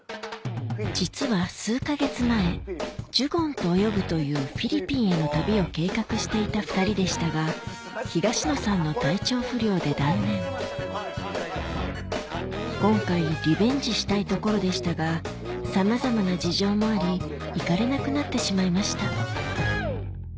実は数か月前ジュゴンと泳ぐというフィリピンへの旅を計画していた２人でしたが東野さんの体調不良で断念今回リベンジしたいところでしたがさまざまな事情もあり行かれなくなってしまいました